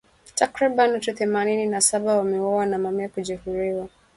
Takribani watu themanini na saba wameuawa na mamia kujeruhiwa.